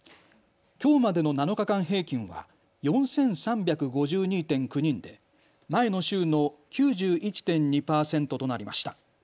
きょうまでの７日間平均は４３５２．９人で前の週の９１．２％となりました。